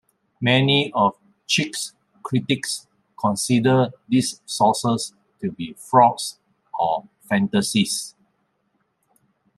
Many of Chick's critics consider these sources to be frauds or fantasists.